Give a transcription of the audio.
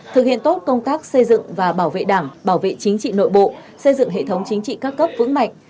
thực hiện tốt công tác xây dựng và bảo vệ đảng bảo vệ chính trị nội bộ xây dựng hệ thống chính trị các cấp vững mạnh